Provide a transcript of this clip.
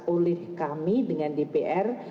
oleh kami dengan dpr